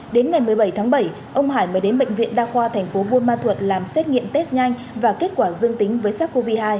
đến ngày một mươi bảy tháng bảy ông hải mới đến bệnh viện đa khoa tp bunma thuật làm xét nghiệm test nhanh và kết quả dương tính với sars cov hai